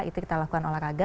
itu kita lakukan olahraga